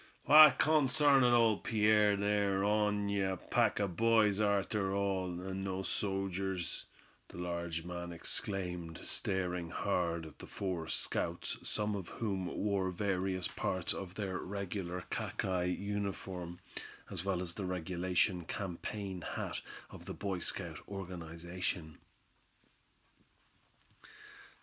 "Why, consarn it all, Pierre, they're on'y a pack o' boys arter all, and not sojers," the larger man exclaimed, staring hard at the four scouts, some of whom wore various parts of their regular khaki uniforms, as well as the regulation campaign hat of the Boy Scout organization.